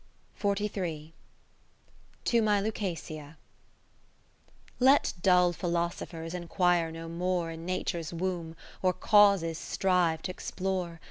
40 To my Liicasia Let dull philosophers enquire no more In Nature's womb, or causes strive t' explore.